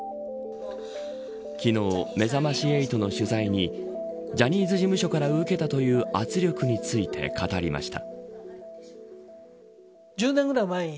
昨日、めざまし８の取材にジャニーズ事務所から受けたという圧力について語りました。